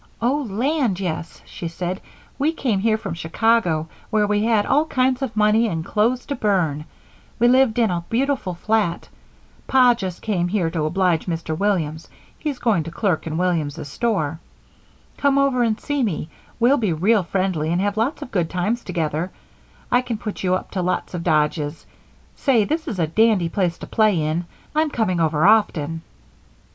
"Oh, land, yes," she said, "we came here from Chicago where we had all kinds of money, and clothes to burn we lived in a beautiful flat. Pa just came here to oblige Mr. Williams he's going to clerk in Williams's store. Come over and see me we'll be real friendly and have lots of good times together I can put you up to lots of dodges. Say, this is a dandy place to play in I'm coming over often."